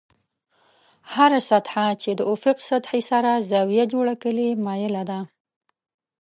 هره سطحه چې د افق سطحې سره زاویه جوړه کړي مایله ده.